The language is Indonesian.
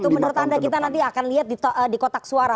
menurut anda kita nanti akan lihat di kotak suara